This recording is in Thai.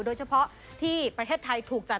โดยเฉพาะที่ประเทศไทยถูกจัด